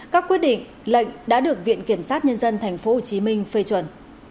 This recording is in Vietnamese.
các quyết định lệnh đã được viện kiểm sát nhân dân tp hcm phê chuẩn